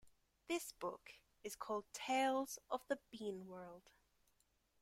This book is called Tales of the Beanworld.